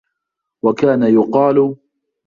وَكَانَ يُقَالُ